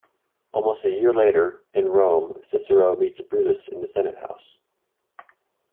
Almost a year later, in Rome, Cicero meets Brutus in the Senate House.